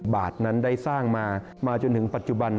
บาทนั้นได้สร้างมามาจนถึงปัจจุบัน